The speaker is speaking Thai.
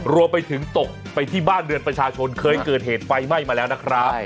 รวมไปถึงตกไปที่บ้านเรือนประชาชนเคยเกิดเหตุไฟไหม้มาแล้วนะครับ